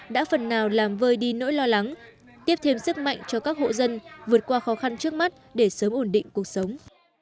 đã phần nào làm vơi đi nỗi lo lắng tiếp thêm sức mạnh cho các hộ dân vượt qua khó khăn trước mắt để sớm ổn định cuộc sống